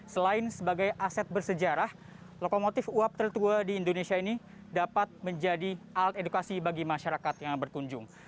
selain sebagai aset bersejarah lokomotif uap tertua di indonesia ini dapat menjadi alat edukasi bagi masyarakat yang berkunjung